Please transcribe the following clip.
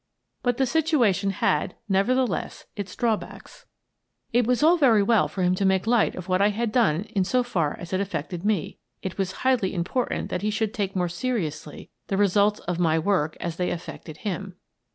But the situation had, nevertheless, its drawbacks. ^ In the Jail 161 It was all very well for him to make light of what I had done in so far as it affected me : it was highly important that he should take most seriously the results of my work as they affected him.